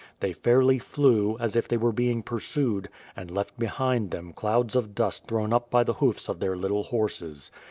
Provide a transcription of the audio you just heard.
They fairly flew, as if they were being pursued, and left beliind them ' clouds of dust thrown up by the hoofs of their little horses.